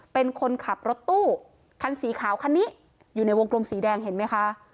เป็นคนขับรถตู้คันสีขาวคันนี้อยู่ในวงกลมสีแดงเห็นไหมคะ